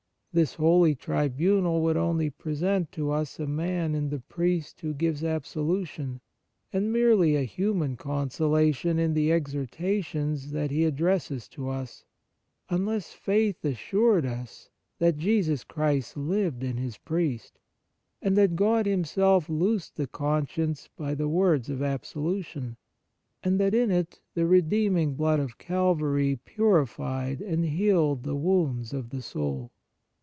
This holy tribunal would only present to us a man in the priest who gives absolution, and merely a human consolation in the exhortations that he addresses to us, unless faith assured us that Jesus Christ lived in His priest, and that God Himself loosed the conscience by the words of absolution, and that in it the redeeming blood of Calvary purified and healed the wounds of the soul.